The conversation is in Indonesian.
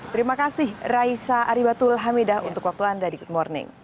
terima kasih raisa aribatul hamidah untuk waktu anda di good morning